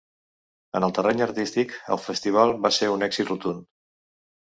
En el terreny artístic, el festival va ser un èxit rotund.